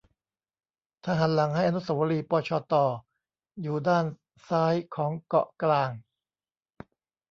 ถ้าหันหลังให้อนุเสาวรีย์ปชต อยู่ด้านซ้ายของเกาะกลาง